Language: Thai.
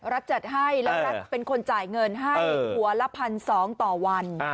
จัดให้แล้วรัฐเป็นคนจ่ายเงินให้หัวละ๑๒๐๐ต่อวัน